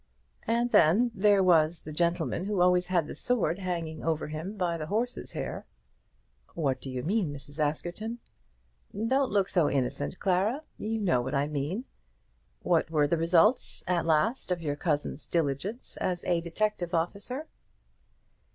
"And then there was the gentleman who always had the sword hanging over him by the horse's hair." "What do you mean, Mrs. Askerton?" "Don't look so innocent, Clara. You know what I mean. What were the results at last of your cousin's diligence as a detective officer?"